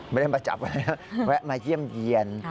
ไม่ได้มาจับไว้นะแวะมาเยี่ยมเยี่ยน